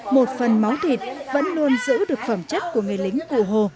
một phần máu thịt vẫn luôn giữ được phẩm chất của người lính cụ hồ